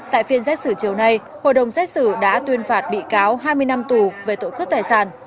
tại phiên xét xử chiều nay hội đồng xét xử đã tuyên phạt bị cáo hai mươi năm tù về tội cướp tài sản